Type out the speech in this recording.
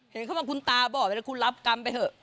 เห็นเขาบอกคุณตาบอกไปแล้วคุณรับกรรมไปเถอะ